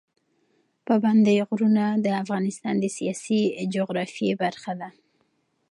پابندی غرونه د افغانستان د سیاسي جغرافیه برخه ده.